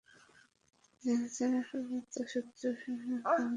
জার্গেনসেনের হঠাৎ শত্রুশিবিরে আগমন ম্যাচের আগে সবচেয়ে বেশি আলোচনার বিষয় হয়ে থাকল।